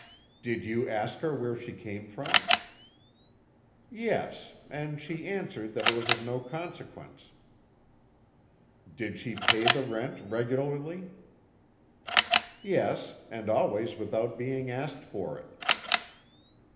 "Did you ask her where she came from?" "Yes; and she answered that it was of no consequence." "Did she pay the rent regularly?" "Yes; and always without being asked for it."